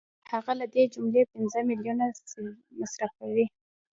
هغه له دې جملې پنځه میلیونه مصرفوي